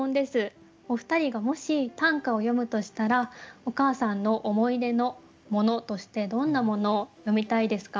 お二人がもし短歌を詠むとしたらお母さんの思い出の物としてどんな物を詠みたいですか？